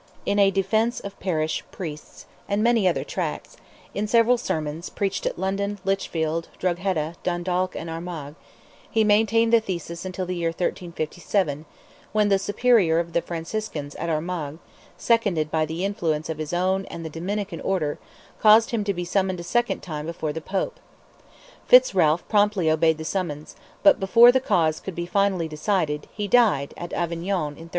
In a "defence of Parish Priests," and many other tracts, in several sermons, preached at London, Litchfield, Drogheda, Dundalk, and Armagh, he maintained the thesis until the year 1357, when the Superior of the Franciscans at Armagh, seconded by the influence of his own and the Dominican order, caused him to be summoned a second time before the Pope. Fitz Ralph promptly obeyed the summons, but before the cause could be finally decided he died at Avignon in 1361.